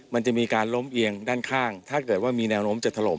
มันจะมีการล้มเอียงด้านข้างถ้าเกิดว่ามีแนวโน้มจะถล่ม